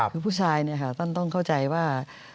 คือผู้ชายท่านต้องเข้าใจว่า